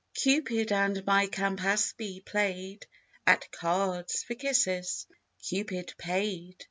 Cupid and my Campaspe played At cards for kisses: Cupid paid.